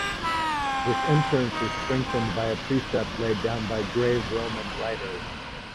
This inference is strengthened by a precept laid down by grave Roman writers.